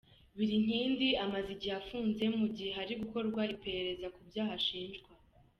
Birinkindi amaze igihe afunze mu gihe hari gukorwa iperereza ku byaha ashinjwa.